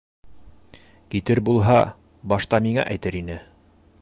Китер булһа, башта миңә әйтер ине.